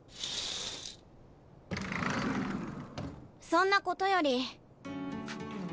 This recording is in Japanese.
そんなことより。